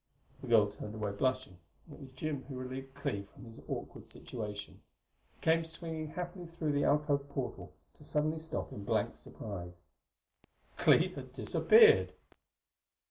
The girl turned away, blushing; and it was Jim who relieved Clee from his awkward situation. He came swinging happily through the alcove portal to suddenly stop in blank surprise. Clee had disappeared!